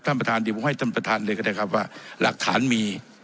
ท่านประธานเดี๋ยวผมให้ท่านประธานเลยก็ได้ครับว่าหลักฐานมี